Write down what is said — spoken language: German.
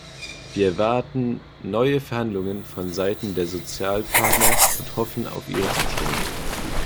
Wir erwarten neue Verhandlungen von seiten der Sozialpartner und hoffen auf ihre Zustimmung.